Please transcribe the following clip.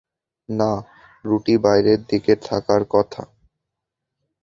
না, রুটি বাইরের দিকে থাকার কথা।